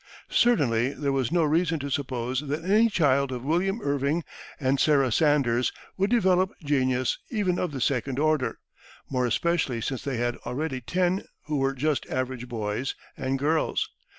Certainly there was no reason to suppose that any child of William Irving and Sarah Sanders would develop genius even of the second order, more especially since they had already ten who were just average boys and girls.